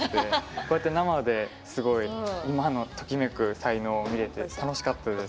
こうやって生で、すごくときめく才能を見れて楽しかったです。